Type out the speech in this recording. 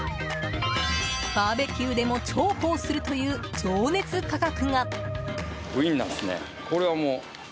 バーベキューでも重宝するという情熱価格が。